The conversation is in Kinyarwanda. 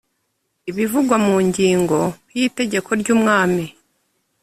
ibivugwa mu ngingo y itegeko ry’umwami